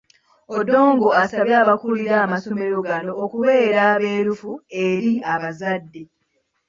Odongo asabye abakulira amasomero gano okubeera abeerufu eri abazadde.